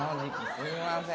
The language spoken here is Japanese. すいません。